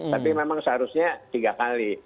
tapi memang seharusnya tiga kali